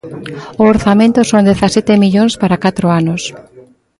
O orzamento son dezasete millóns para catro anos.